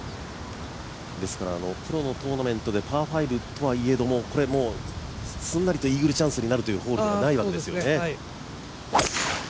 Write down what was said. プロのトーナメントでパー５といえどもこれ、すんなりとイーグルチャンスになるというホールではないわけですね。